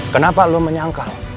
kenapa lo menyangkal